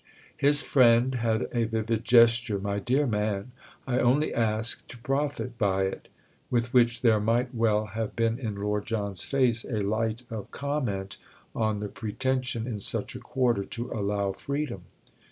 His friend had a vivid gesture. "My dear man, I only ask to profit by it!" With which there might well have been in Lord John's face a light of comment on the pretension in such a quarter to allow freedom.